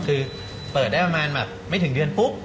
คือเปิดได้ประมาณแบบไม่ถึงเดือนปุ๊บ